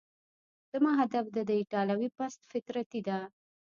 زما هدف د ده ایټالوي پست فطرتي ده.